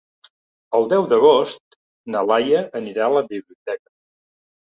El deu d'agost na Laia anirà a la biblioteca.